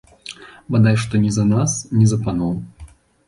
Бадай што ні за нас, ні за паноў.